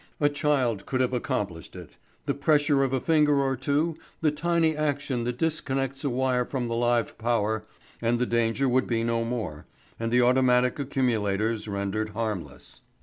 A child could have accomplished it; the pressure of a finger or two, the tiny action that disconnects a wire from the live power, and the danger would be no more, and the automatic accumulators rendered harmless.